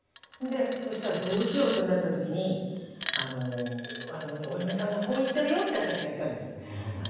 そしたらどうしようってなった時に「お嫁さんがこう言ってるよ」って私が言ったんです。